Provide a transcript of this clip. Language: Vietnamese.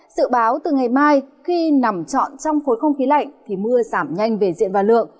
sự báo từ ngày mai khi nằm trọn trong khối không khí lạnh thì mưa giảm nhanh về diện và lượng